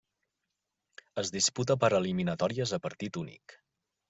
Es disputa per eliminatòries a partit únic.